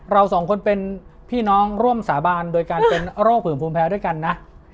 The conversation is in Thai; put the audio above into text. เราสองคนเป็นพี่น้องร่วมสาบานโดยการเป็นโรคผืนภูมิแพ้ด้วยกันนะ